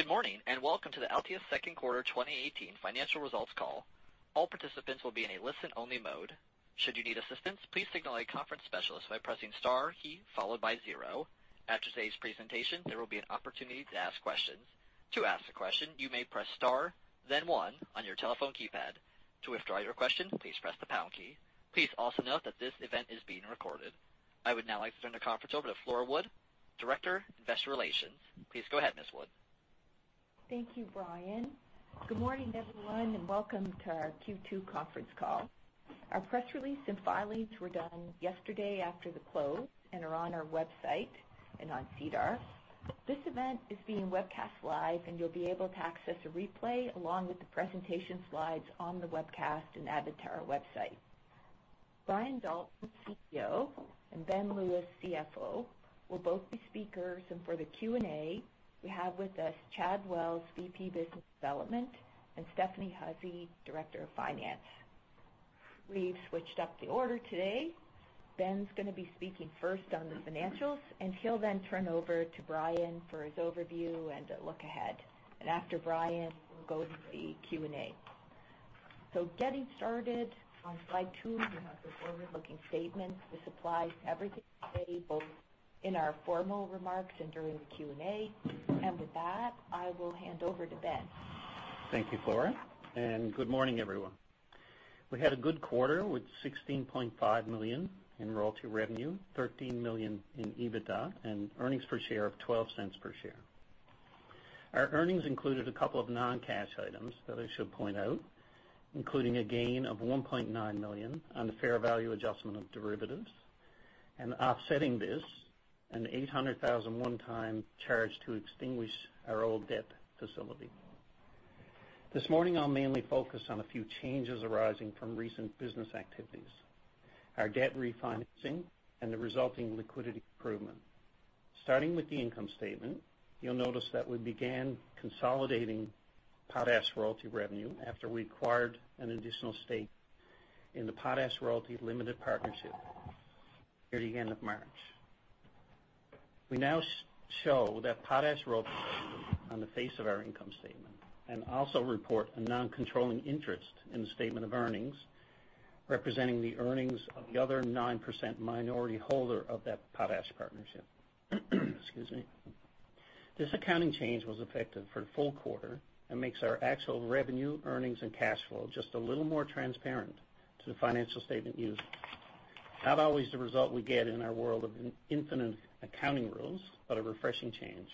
Good morning, and welcome to the Altius second quarter 2018 financial results call. All participants will be in a listen-only mode. Should you need assistance, please signal a conference specialist by pressing star key followed by zero. After today's presentation, there will be an opportunity to ask questions. To ask a question, you may press star, then one on your telephone keypad. To withdraw your question, please press the pound key. Please also note that this event is being recorded. I would now like to turn the conference over to Flora Wood, Director of Investor Relations. Please go ahead, Ms. Wood. Thank you, Brian. Good morning, everyone, and welcome to our Q2 conference call. Our press release and filings were done yesterday after the close and are on our website and on SEDAR. This event is being webcast live, you'll be able to access a replay along with the presentation slides on the webcast and added to our website. Brian Dalton, CEO, and Ben Lewis, CFO, will both be speakers. For the Q&A, we have with us Chad Wells, VP Business Development, and Stephanie Hussey, Director of Finance. We've switched up the order today. Ben's going to be speaking first on the financials, he'll then turn over to Brian for his overview and a look ahead. After Brian, we'll go to the Q&A. Getting started, on slide two, we have the forward-looking statements. This applies to everything today, both in our formal remarks and during the Q&A. With that, I will hand over to Ben. Thank you, Flora. Good morning, everyone. We had a good quarter with 16.5 million in royalty revenue, 13 million in EBITDA and earnings per share of 0.12 per share. Our earnings included a couple of non-cash items that I should point out, including a gain of 1.9 million on the fair value adjustment of derivatives, offsetting this, a 800,000 one-time charge to extinguish our old debt facility. This morning, I'll mainly focus on a few changes arising from recent business activities, our debt refinancing, and the resulting liquidity improvement. Starting with the income statement, you'll notice that we began consolidating potash royalty revenue after we acquired an additional stake in the Potash Royalty Limited Partnership near the end of March. We now show that potash royalty on the face of our income statement and also report a non-controlling interest in the statement of earnings, representing the earnings of the other 9% minority holder of that potash partnership. Excuse me. This accounting change was effective for the full quarter and makes our actual revenue, earnings, and cash flow just a little more transparent to the financial statement user. Not always the result we get in our world of infinite accounting rules, but a refreshing change.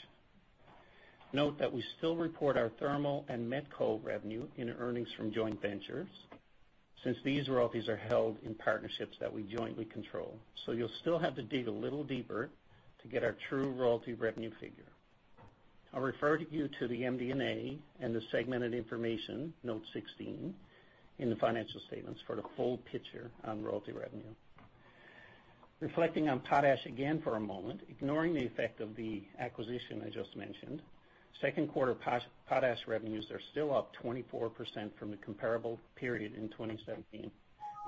Note that we still report our thermal and Met Coal revenue in earnings from joint ventures, since these royalties are held in partnerships that we jointly control. You'll still have to dig a little deeper to get our true royalty revenue figure. I'll refer you to the MD&A and the segmented information, note 16, in the financial statements for the full picture on royalty revenue. Reflecting on potash again for a moment, ignoring the effect of the acquisition I just mentioned, second quarter potash revenues are still up 24% from the comparable period in 2017,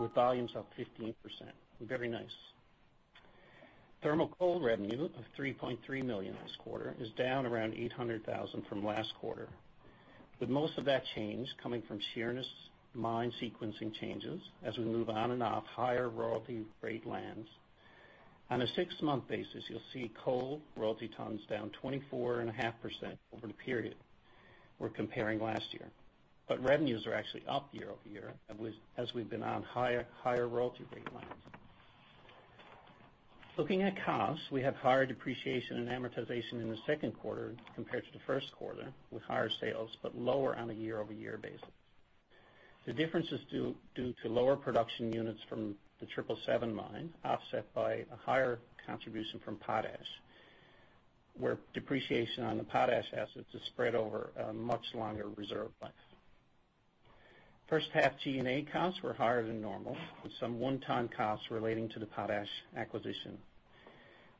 with volumes up 15%. Very nice. Thermal coal revenue of 3.3 million this quarter is down around 800,000 from last quarter, with most of that change coming from Sheerness mine sequencing changes as we move on and off higher royalty grade lands. On a six-month basis, you'll see coal royalty tons down 24.5% over the period we're comparing last year, but revenues are actually up year-over-year as we've been on higher royalty rate lines. Looking at costs, we have higher depreciation and amortization in the second quarter compared to the first quarter with higher sales, but lower on a year-over-year basis. The difference is due to lower production units from the 777 mine, offset by a higher contribution from potash, where depreciation on the potash assets is spread over a much longer reserve life. First half G&A costs were higher than normal, with some one-time costs relating to the potash acquisition.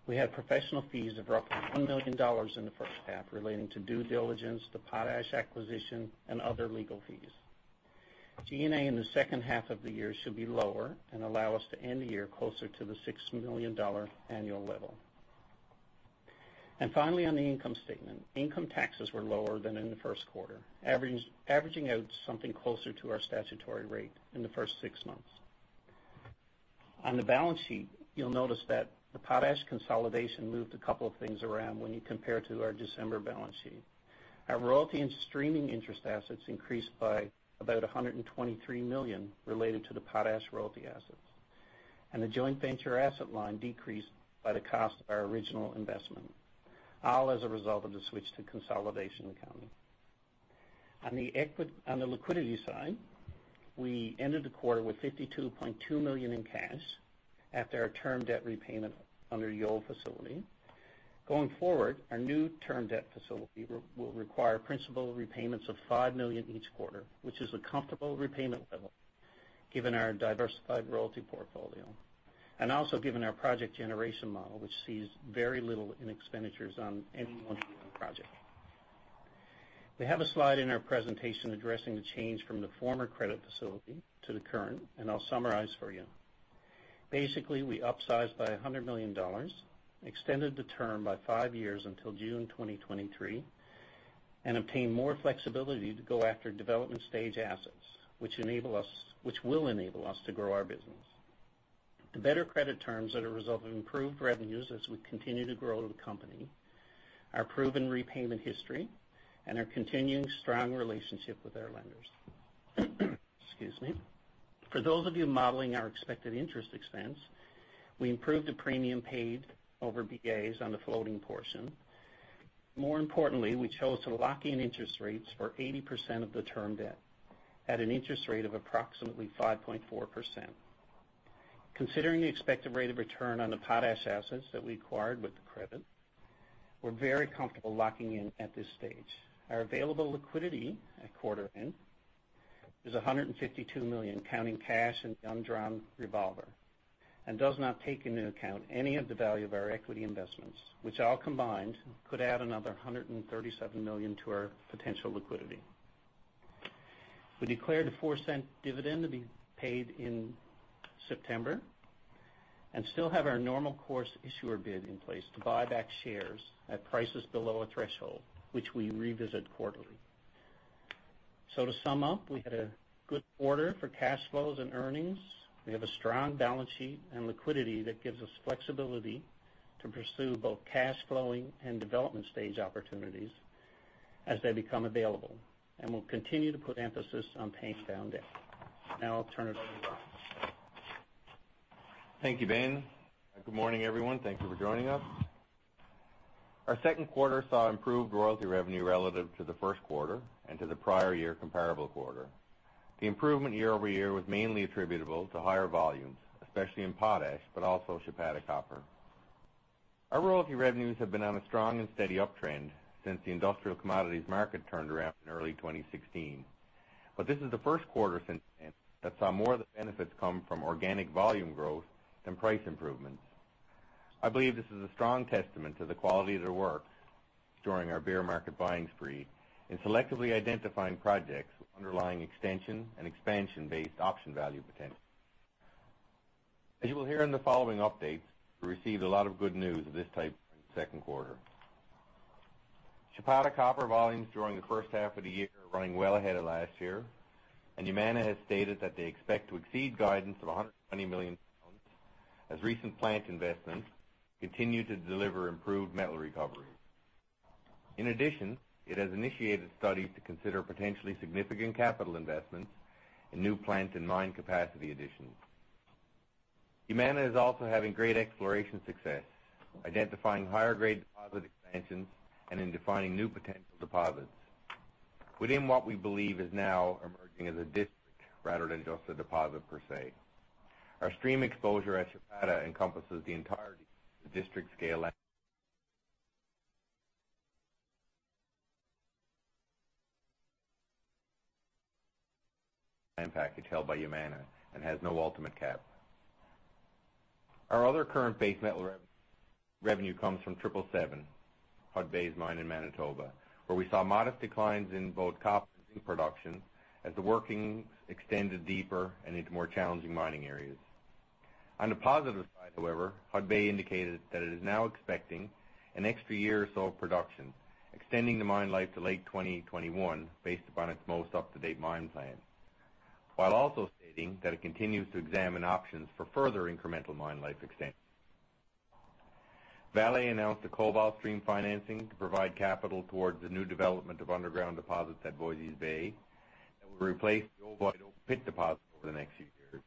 We had professional fees of roughly 1 million dollars in the first half relating to due diligence, the potash acquisition, and other legal fees. G&A in the second half of the year should be lower and allow us to end the year closer to the 6 million dollar annual level. Finally, on the income statement, income taxes were lower than in the first quarter, averaging out something closer to our statutory rate in the first six months. On the balance sheet, you'll notice that the potash consolidation moved a couple of things around when you compare to our December balance sheet. Our royalty and streaming interest assets increased by about 123 million related to the potash royalty assets, and the joint venture asset line decreased by the cost of our original investment, all as a result of the switch to consolidation accounting. On the liquidity side, we ended the quarter with 52.2 million in cash after our term debt repayment on the Yole facility. Going forward, our new term debt facility will require principal repayments of 5 million each quarter, which is a comfortable repayment level given our diversified royalty portfolio and also given our project generation model, which sees very little in expenditures on any one given project. We have a slide in our presentation addressing the change from the former credit facility to the current, I'll summarize for you. We upsized by 100 million dollars, extended the term by five years until June 2023, and obtained more flexibility to go after development stage assets, which will enable us to grow our business. The better credit terms are the result of improved revenues as we continue to grow the company, our proven repayment history, and our continuing strong relationship with our lenders. Excuse me. For those of you modeling our expected interest expense, we improved the premium paid over BAs on the floating portion. More importantly, we chose to lock in interest rates for 80% of the term debt at an interest rate of approximately 5.4%. Considering the expected rate of return on the potash assets that we acquired with the credit, we're very comfortable locking in at this stage. Our available liquidity at quarter end is 152 million, counting cash and undrawn revolver, and does not take into account any of the value of our equity investments, which all combined could add another 137 million to our potential liquidity. We declared a 0.04 dividend to be paid in September, and still have our normal course issuer bid in place to buy back shares at prices below a threshold, which we revisit quarterly. To sum up, we had a good quarter for cash flows and earnings. We have a strong balance sheet and liquidity that gives us flexibility to pursue both cash flowing and development stage opportunities as they become available. We'll continue to put emphasis on paying down debt. Now I'll turn it over to Ross. Thank you, Ben. Good morning, everyone. Thank you for joining us. Our second quarter saw improved royalty revenue relative to the first quarter and to the prior year comparable quarter. The improvement year-over-year was mainly attributable to higher volumes, especially in potash, but also Chapada Copper. Our royalty revenues have been on a strong and steady uptrend since the industrial commodities market turned around in early 2016. This is the first quarter since then that saw more of the benefits come from organic volume growth than price improvements. I believe this is a strong testament to the quality of their work during our bear market buying spree in selectively identifying projects with underlying extension and expansion-based option value potential. As you will hear in the following updates, we received a lot of good news of this type during the second quarter. Chapada Copper volumes during the first half of the year are running well ahead of last year, Yamana has stated that they expect to exceed guidance of 120 million pounds, as recent plant investments continue to deliver improved metal recovery. In addition, it has initiated studies to consider potentially significant capital investments in new plant and mine capacity additions. Yamana is also having great exploration success, identifying higher grade deposit expansions and in defining new potential deposits within what we believe is now emerging as a district rather than just a deposit per se. Our stream exposure at Chapada encompasses the entire district scale package held by Yamana and has no ultimate cap. Our other current base metal revenue comes from 777 Hudbay's mine in Manitoba, where we saw modest declines in both copper and zinc production as the working extended deeper and into more challenging mining areas. On the positive side, however, Hudbay indicated that it is now expecting an extra year or so of production, extending the mine life to late 2021 based upon its most up-to-date mine plan, while also stating that it continues to examine options for further incremental mine life extensions. Vale announced a cobalt stream financing to provide capital towards the new development of underground deposits at Voisey's Bay that will replace the old open pit deposit over the next few years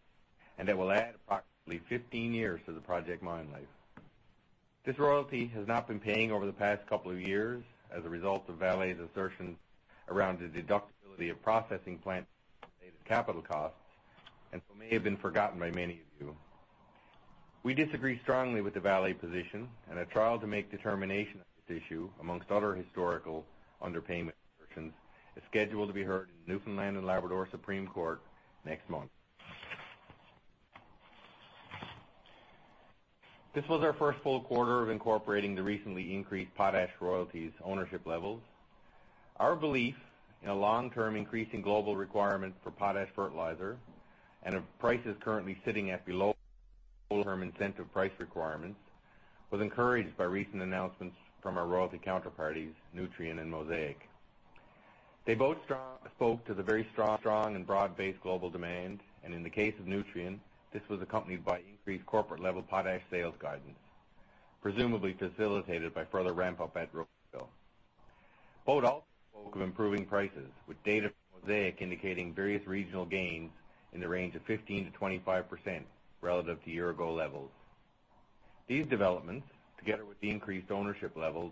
and that will add approximately 15 years to the project mine life. This royalty has not been paying over the past couple of years as a result of Vale's assertions around the deductibility of processing plant related capital costs, and so may have been forgotten by many of you. We disagree strongly with the Vale position, and a trial to make determination of this issue, amongst other historical underpayment assertions, is scheduled to be heard in Supreme Court of Newfoundland and Labrador next month. This was our first full quarter of incorporating the recently increased potash royalties ownership levels. Our belief in a long-term increase in global requirement for potash fertilizer and of prices currently sitting at below long-term incentive price requirements was encouraged by recent announcements from our royalty counterparties, Nutrien and Mosaic. They both spoke to the very strong and broad-based global demand, and in the case of Nutrien, this was accompanied by increased corporate-level potash sales guidance, presumably facilitated by further ramp up at Rocanville. Both also spoke of improving prices, with data from Mosaic indicating various regional gains in the range of 15%-25% relative to year ago levels. These developments, together with the increased ownership levels,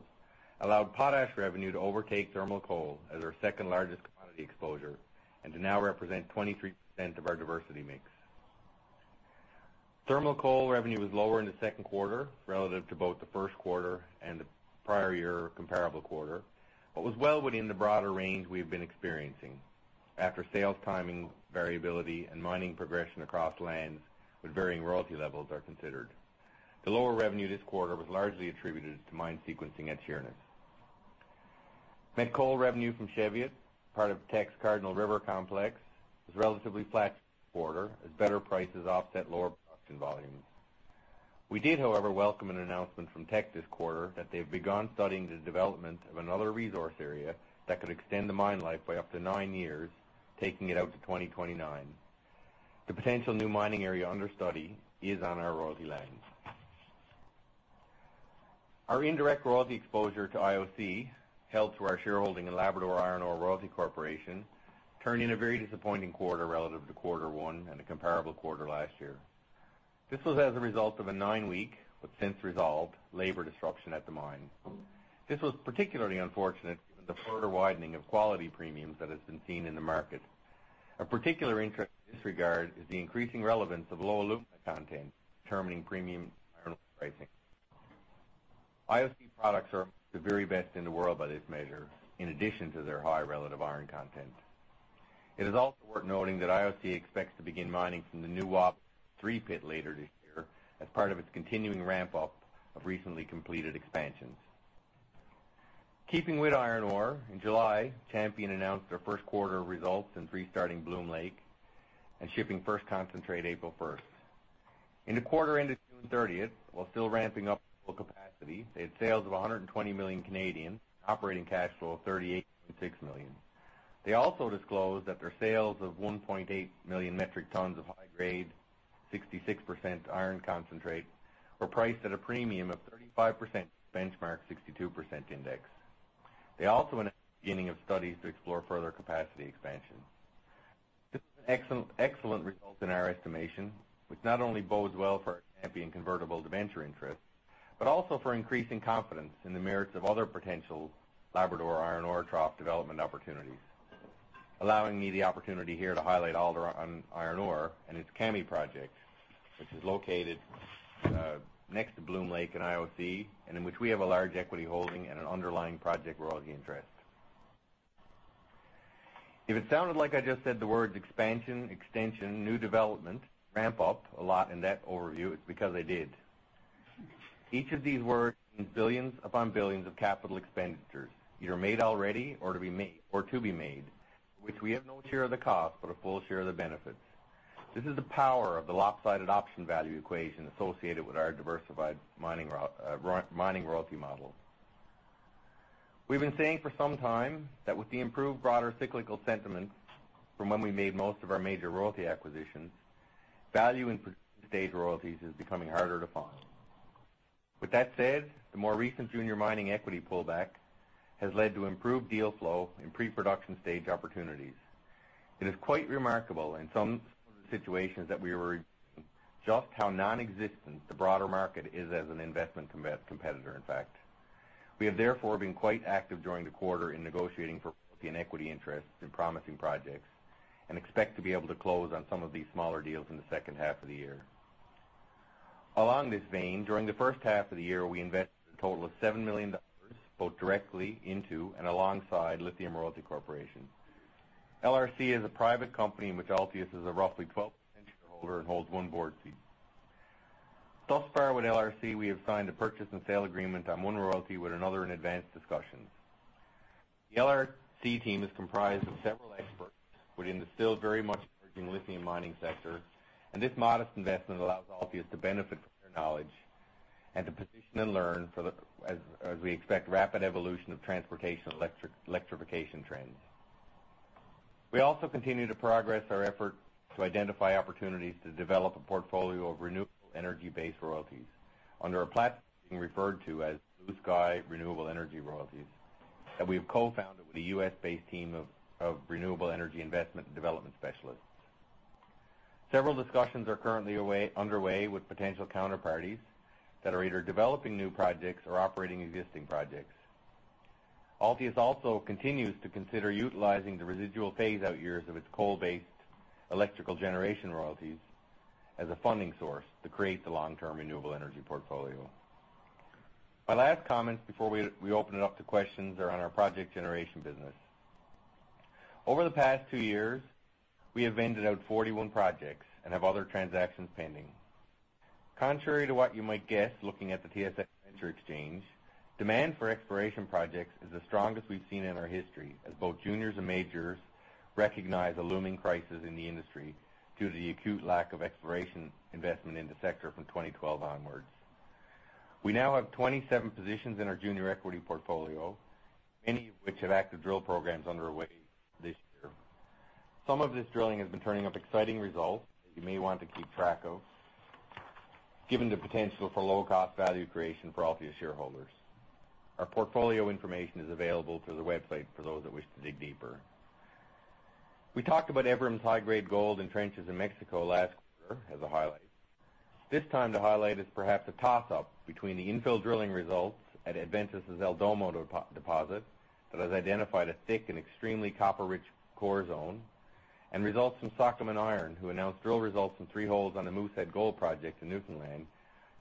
allowed potash revenue to overtake thermal coal as our second largest commodity exposure and to now represent 23% of our diversity mix. Thermal coal revenue was lower in the second quarter relative to both the first quarter and the prior year comparable quarter, but was well within the broader range we have been experiencing after sales timing variability and mining progression across lands with varying royalty levels are considered. The lower revenue this quarter was largely attributed to mine sequencing at Sheerness. Met Coal revenue from Cheviot, part of Teck's Cardinal River complex, was relatively flat this quarter as better prices offset lower production volumes. We did, however, welcome an announcement from Teck this quarter that they've begun studying the development of another resource area that could extend the mine life by up to nine years, taking it out to 2029. The potential new mining area under study is on our royalty land. Our indirect royalty exposure to IOC, held through our shareholding in Labrador Iron Ore Royalty Corporation, turned in a very disappointing quarter relative to quarter one and a comparable quarter last year. This was as a result of a nine-week, but since resolved, labor disruption at the mine. This was particularly unfortunate given the further widening of quality premiums that has been seen in the market. Of particular interest in this regard is the increasing relevance of low alumina content determining premium iron ore pricing. IOC products are the very best in the world by this measure, in addition to their high relative iron content. It is also worth noting that IOC expects to begin mining from the new Wabush 3 pit later this year as part of its continuing ramp-up of recently completed expansions. Keeping with iron ore, in July, Champion announced their first quarter results since restarting Bloom Lake and shipping first concentrate April 1st. In the quarter ended June 30th, while still ramping up to full capacity, they had sales of 120 million, operating cash flow of 38.6 million. They also disclosed that their sales of 1.8 million metric tons of high-grade 66% iron concentrate were priced at a premium of 35% to the benchmark 62% index. They also announced the beginning of studies to explore further capacity expansion. This is an excellent result in our estimation, which not only bodes well for our Champion convertible debenture interest, but also for increasing confidence in the merits of other potential Labrador Iron Ore Trough development opportunities, allowing me the opportunity here to highlight Alderon Iron Ore and its Kami Project, which is located next to Bloom Lake and IOC, and in which we have a large equity holding and an underlying project royalty interest. If it sounded like I just said the words expansion, extension, new development, ramp up a lot in that overview, it's because I did. Each of these words means billions upon billions of capital expenditures, either made already or to be made, of which we have no share of the cost, but a full share of the benefits. This is the power of the lopsided option value equation associated with our diversified mining royalty model. We've been saying for some time that with the improved broader cyclical sentiment from when we made most of our major royalty acquisitions, value in pre-stage royalties is becoming harder to find. The more recent junior mining equity pullback has led to improved deal flow in pre-production stage opportunities. It is quite remarkable in some of the situations that we were reviewing just how nonexistent the broader market is as an investment competitor, in fact. We have therefore been quite active during the quarter in negotiating for royalty and equity interests in promising projects and expect to be able to close on some of these smaller deals in the second half of the year. Along this vein, during the first half of the year, we invested a total of 7 million dollars, both directly into and alongside Lithium Royalty Corporation. LRC is a private company in which Altius is a roughly 12% shareholder and holds one board seat. Thus far with LRC, we have signed a purchase and sale agreement on one royalty, with another in advanced discussions. The LRC team is comprised of several experts within the still very much emerging lithium mining sector, and this modest investment allows Altius to benefit from their knowledge and to position and learn as we expect rapid evolution of transportation electrification trends. We also continue to progress our efforts to identify opportunities to develop a portfolio of renewable energy-based royalties under a platform being referred to as Blue Sky Renewable Energy Royalties, that we have co-founded with a U.S.-based team of renewable energy investment and development specialists. Several discussions are currently underway with potential counterparties that are either developing new projects or operating existing projects. Altius also continues to consider utilizing the residual phase-out years of its coal-based electrical generation royalties as a funding source to create the long-term renewable energy portfolio. My last comments before we open it up to questions are on our project generation business. Over the past two years, we have vented out 41 projects and have other transactions pending. Contrary to what you might guess looking at the TSX Venture Exchange, demand for exploration projects is the strongest we've seen in our history, as both juniors and majors recognize a looming crisis in the industry due to the acute lack of exploration investment in the sector from 2012 onwards. We now have 27 positions in our junior equity portfolio, many of which have active drill programs underway this year. Some of this drilling has been turning up exciting results that you may want to keep track of, given the potential for low-cost value creation for Altius shareholders. Our portfolio information is available through the website for those that wish to dig deeper. We talked about Evrim's high-grade gold in trenches in Mexico last quarter as a highlight. This time, the highlight is perhaps a toss-up between the infill drilling results at Adventus' El Domo deposit that has identified a thick and extremely copper-rich core zone, and results from Sokoman Minerals, who announced drill results in three holes on the Moosehead Gold Project in Newfoundland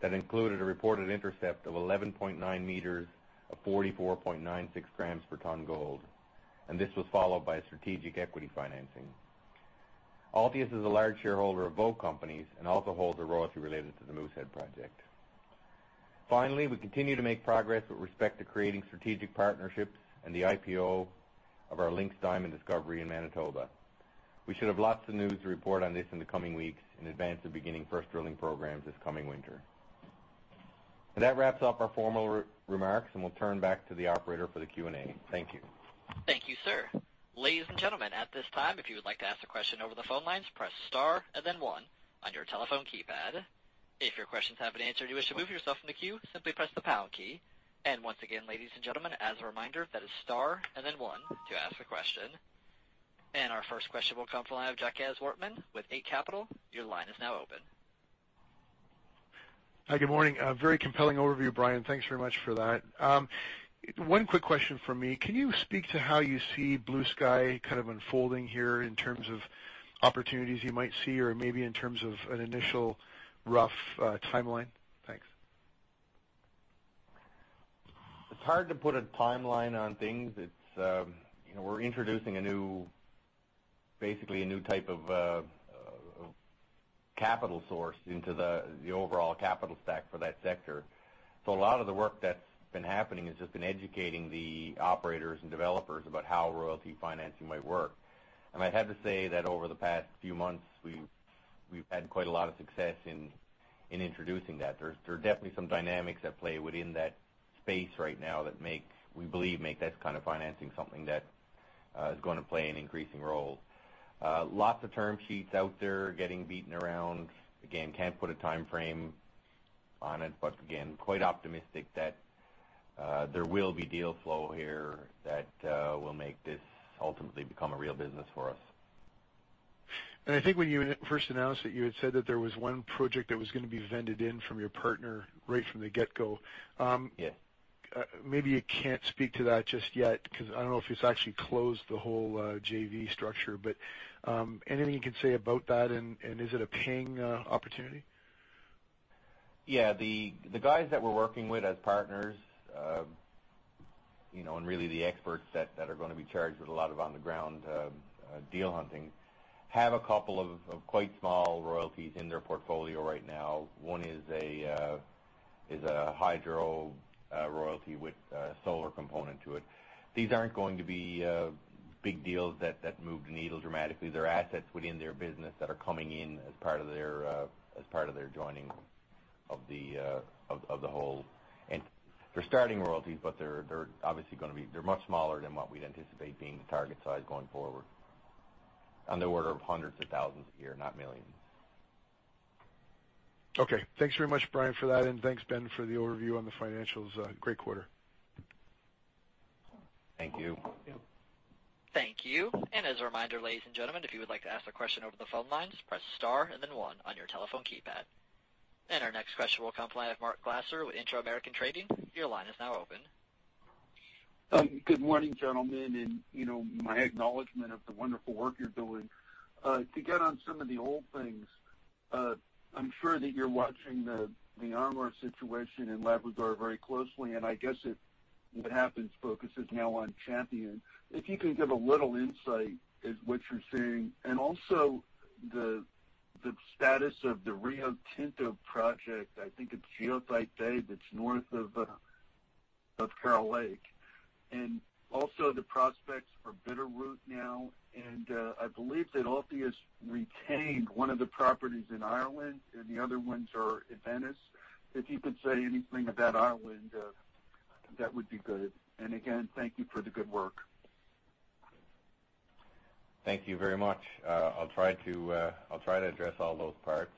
that included a reported intercept of 11.9 meters of 44.96 grams per ton gold, and this was followed by a strategic equity financing. Altius is a large shareholder of both companies and also holds a royalty related to the Moosehead Project. Finally, we continue to make progress with respect to creating strategic partnerships and the IPO of our Lynx Diamond discovery in Manitoba. We should have lots of news to report on this in the coming weeks in advance of beginning first drilling programs this coming winter. That wraps up our formal remarks, and we'll turn back to the operator for the Q&A. Thank you. Thank you, sir. Ladies and gentlemen, at this time, if you would like to ask a question over the phone lines, press star and then one on your telephone keypad. If your questions have been answered and you wish to remove yourself from the queue, simply press the pound key. Once again, ladies and gentlemen, as a reminder, that is star and then one to ask a question. Our first question will come from the line of Jacques Wortman with Eight Capital. Your line is now open. Hi, good morning. A very compelling overview, Brian. Thanks very much for that. One quick question from me. Can you speak to how you see Blue Sky kind of unfolding here in terms of opportunities you might see or maybe in terms of an initial rough timeline? Thanks. It's hard to put a timeline on things. We're introducing basically a new type of capital source into the overall capital stack for that sector. A lot of the work that's been happening has just been educating the operators and developers about how royalty financing might work. I have to say that over the past few months, we've had quite a lot of success in introducing that. There are definitely some dynamics at play within that space right now that we believe make this kind of financing something that is going to play an increasing role. Lots of term sheets out there getting beaten around. Again, can't put a timeframe on it, but again, quite optimistic that there will be deal flow here that will make this ultimately become a real business for us. I think when you first announced it, you had said that there was one project that was going to be vended in from your partner right from the get-go. Yeah. Maybe you can't speak to that just yet because I don't know if it's actually closed the whole JV structure, but anything you can say about that, and is it a paying opportunity? The guys that we're working with as partners, really the experts that are going to be charged with a lot of on-the-ground deal hunting, have a couple of quite small royalties in their portfolio right now. One is a hydro royalty with a solar component to it. These aren't going to be big deals that move the needle dramatically. They're assets within their business that are coming in as part of their joining of the whole. They're starting royalties, but they're much smaller than what we'd anticipate being the target size going forward, on the order of hundreds of thousands a year, not millions. Thanks very much, Brian, for that. Thanks, Ben, for the overview on the financials. Great quarter. Thank you. Thank you. As a reminder, ladies and gentlemen, if you would like to ask a question over the phone lines, press star and then one on your telephone keypad. Our next question will come from the line of Mark Glasser with Inter-American Trading. Your line is now open. Good morning, gentlemen, and my acknowledgment of the wonderful work you're doing. To get on some of the old things, I'm sure that you're watching the iron ore situation in Labrador very closely. I guess what happens focuses now on Champion. If you could give a little insight as to what you're seeing, also the status of the Rio Tinto project. I think it's Goethite Bay that's north of Carol Lake. Also the prospects for Bitterroot now. I believe that Altius retained one of the properties in Ireland and the other ones are Adventus. If you could say anything about Ireland, that would be good. Again, thank you for the good work. Thank you very much. I'll try to address all those parts.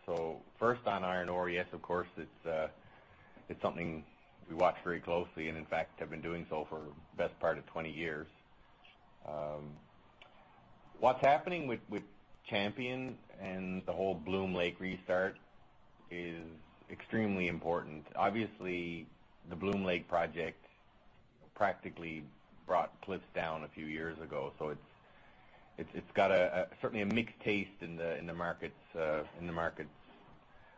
First on iron ore, yes, of course, it's something we watch very closely. In fact, have been doing so for the best part of 20 years. What's happening with Champion and the whole Bloom Lake restart is extremely important. Obviously, the Bloom Lake project practically brought Cliffs down a few years ago. It's got certainly a mixed taste in the market's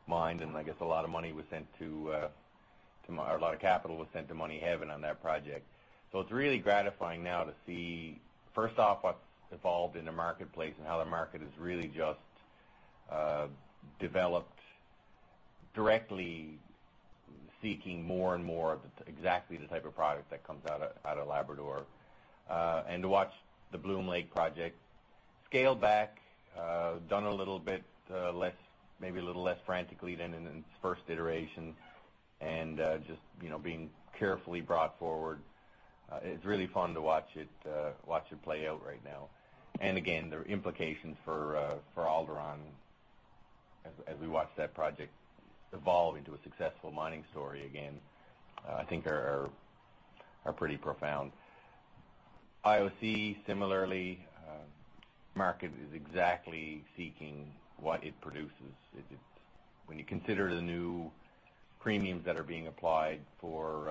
mind. I guess a lot of capital was sent to money heaven on that project. It's really gratifying now to see, first off, what's evolved in the marketplace and how the market has really just developed directly seeking more and more of exactly the type of product that comes out of Labrador. To watch the Bloom Lake project scale back, done a little bit less, maybe a little less frantically than in its first iteration, just being carefully brought forward. It's really fun to watch it play out right now. Again, the implications for Alderon as we watch that project evolve into a successful mining story again, I think are pretty profound. IOC, similarly, market is exactly seeking what it produces. When you consider the new premiums that are being applied for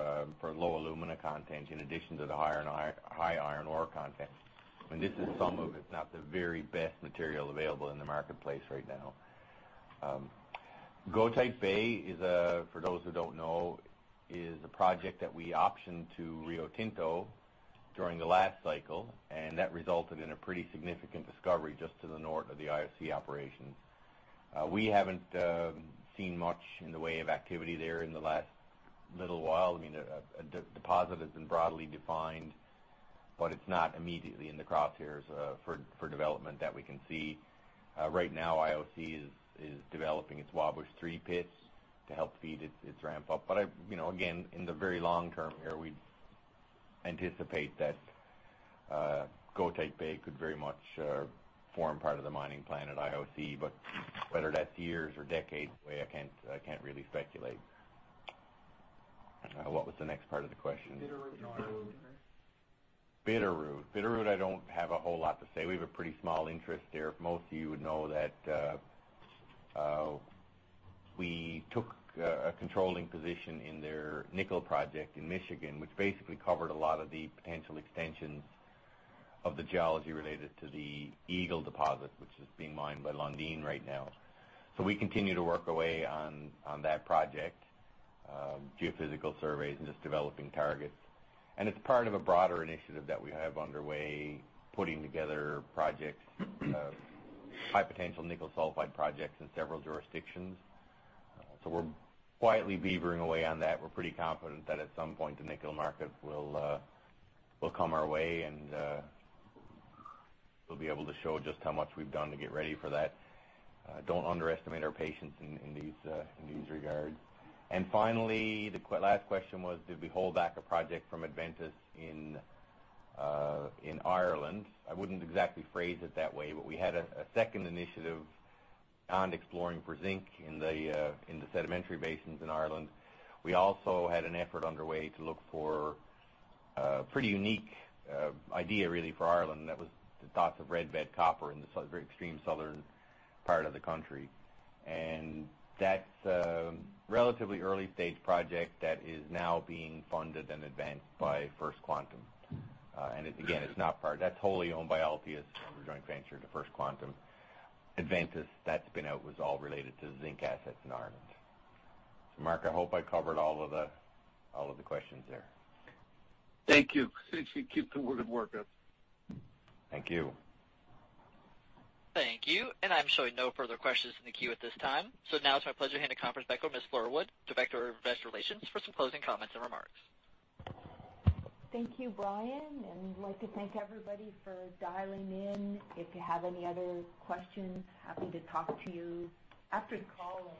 low alumina content in addition to the high iron ore content, this is some of, if not the very best material available in the marketplace right now. Goethite Bay, for those who don't know, is a project that we optioned to Rio Tinto during the last cycle. That resulted in a pretty significant discovery just to the north of the IOC operations. We haven't seen much in the way of activity there in the last little while. The deposit has been broadly defined. It's not immediately in the crosshairs for development that we can see. Right now, IOC is developing its Wabush 3 pits to help feed its ramp up. Again, in the very long term here, we anticipate that Goethite Bay could very much form part of the mining plan at IOC. Whether that's years or decades away, I can't really speculate. What was the next part of the question? Bitterroot and Iron Road. Bitterroot. Bitterroot, I don't have a whole lot to say. We have a pretty small interest there. Most of you would know that we took a controlling position in their nickel project in Michigan, which basically covered a lot of the potential extensions of the geology related to the Eagle deposit, which is being mined by Lundin right now. We continue to work away on that project, geophysical surveys, and just developing targets. It's part of a broader initiative that we have underway, putting together projects of high potential nickel sulfide projects in several jurisdictions. We're quietly beavering away on that. We're pretty confident that at some point, the nickel market will come our way, and we'll be able to show just how much we've done to get ready for that. Don't underestimate our patience in these regards. Finally, the last question was, did we hold back a project from Adventus in Ireland? I wouldn't exactly phrase it that way, but we had a second initiative on exploring for zinc in the sedimentary basins in Ireland. We also had an effort underway to look for a pretty unique idea, really, for Ireland, and that was the thoughts of red bed copper in the very extreme southern part of the country. That's a relatively early stage project that is now being funded and advanced by First Quantum. Again, that's wholly owned by Altius, a joint venture to First Quantum. Adventus, that spin out was all related to the zinc assets in Ireland. Mark, I hope I covered all of the questions there. Thank you. Thanks, keep the good work up. Thank you. Thank you. I'm showing no further questions in the queue at this time. Now it's my pleasure to hand the conference back over to Ms. Flora Wood, Director of Investor Relations, for some closing comments and remarks. Thank you, Brian. We'd like to thank everybody for dialing in. If you have any other questions, happy to talk to you after the call.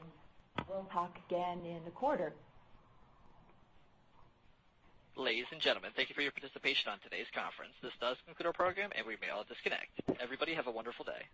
We'll talk again in the quarter. Ladies and gentlemen, thank you for your participation on today's conference. This does conclude our program, and we may all disconnect. Everybody have a wonderful day.